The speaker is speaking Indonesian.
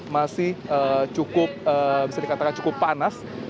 masih cukup bisa dikatakan cukup panas